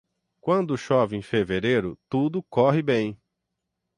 Quando chove em fevereiro, tudo corre bem.